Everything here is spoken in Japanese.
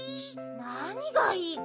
なにがいいかな？